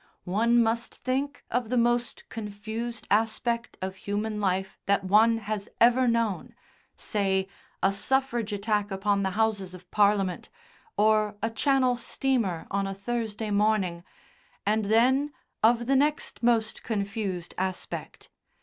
One must think of the most confused aspect of human life that one has ever known say, a Suffrage attack upon the Houses of Parliament, or a Channel steamer on a Thursday morning, and then of the next most confused aspect.